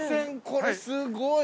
これすごい。